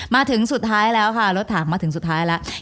มาถึงสุดท้ายแล้วค่ะรถถังมาถึงสุดท้ายแล้ว